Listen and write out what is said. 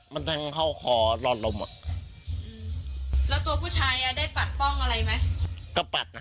มันทั้งเข้าคอรอดลมอ่ะ